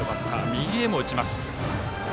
右へも打ちます。